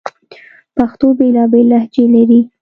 پښتو بیلابیلي لهجې لري